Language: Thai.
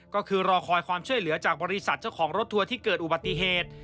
ก็คือรอคอยความช่วยเหลือจากบริษัทเจ้าของรถทัวร์ที่เกิดอุบัติเหตุ